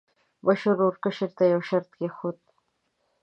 مشر ورور کشر ته یو شرط کېښود.